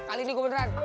kali ini gue beneran